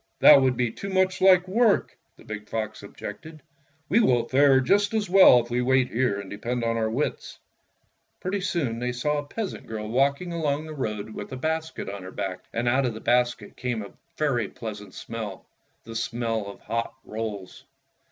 That would be too much like work," the big fox objected. "We will fare just as well if we wait here and depend on our wits." Pretty soon they saw a peasant girl walk 84 Fairy Tale Foxes ing along the road with a basket on her back, and out of the basket came a very pleasant smell — the smell of hot rolls.